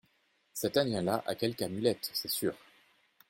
Cet Indien-là a quelque amulette, c'est sûr.